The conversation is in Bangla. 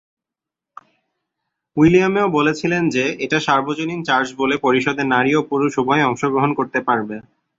উইলিয়াম এও বলেছিলেন যে, এটা সার্বজনীন চার্চ বলে পরিষদে নারী ও পুরুষ উভয়ই অংশগ্রহণ করতে পারবে।